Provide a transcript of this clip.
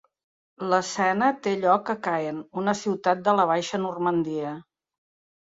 L'escena té lloc a Caen, una ciutat de la Baixa Normandia.